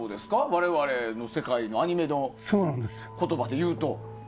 我々の世界のアニメの言葉で言うと。